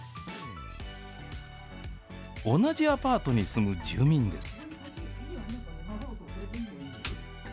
同じアパートに住む住民です。